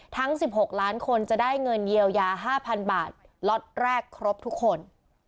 ทั้ง๑๖ล้านคนจะได้เงินเยียวยา๕๐๐๐บาทล็อตแรกครบทุกคน